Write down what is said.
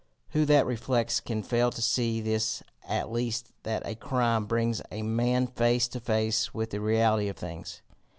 "Who that reflects can fail to see this at least, that a crime brings a man face to face with the reality of things?